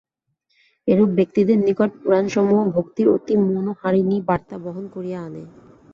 এরূপ ব্যক্তিদের নিকট পুরাণসমূহ ভক্তির অতি মনোহারিণী বার্তা বহন করিয়া আনে।